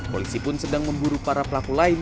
polisi pun sedang memburu para pelaku lain